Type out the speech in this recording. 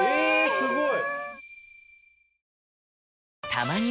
すごい。